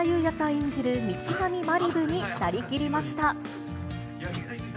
演じる道上まりぶになりきりました。